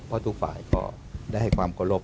เพราะทุกฝ่ายก็ได้ให้ความเคารพ